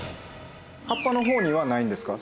葉っぱの方にはないんですか？